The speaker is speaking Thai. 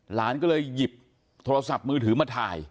หลานก็เลยหยิบโทรศัพท์มือถือมาถ่าย